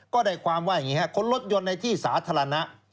ก็ได้ความว่าอย่างนี้ครับคนรถยนต์ในที่สาธารณะ